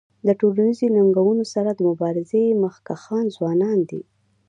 د ټولنیزو ننګونو سره د مبارزې مخکښان ځوانان دي.